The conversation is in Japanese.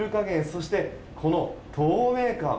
そして、この透明感。